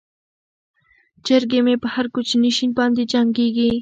چرګې مې په هر کوچني شي باندې جنګیږي.